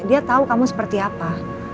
dia tahu kamu seperti apa